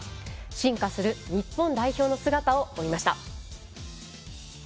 進化する日本代表の姿を追いました。